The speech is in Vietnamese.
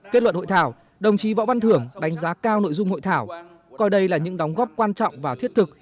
các đại biểu đã cao nội dung hội thảo coi đây là những đóng góp quan trọng và thiết thực